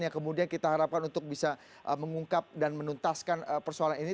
yang kemudian kita harapkan untuk bisa mengungkap dan menuntaskan persoalan ini